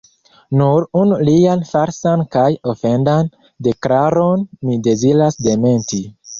Nur unu lian falsan kaj ofendan deklaron mi deziras dementi.